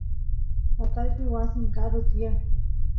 tataypa wasin karu tiyan